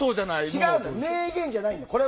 違うよ名言じゃないんだよ。